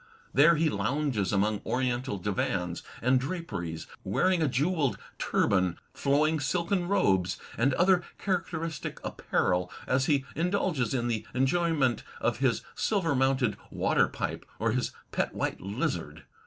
There he lounges among oriental divans and draperies, wearing a jewelled turban, flowing silken robes, and other characteristic apparel, as he indulges in the enjoyment of his silver mounted water pipe or his pet white lizard.